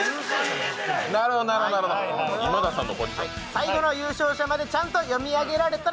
最後の優勝者までちゃんと読み上げられた